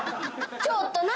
ちょっと何？